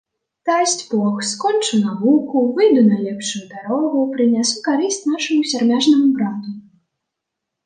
Дасць бог, скончу навуку, выйду на лепшую дарогу, прынясу карысць нашаму сярмяжнаму брату.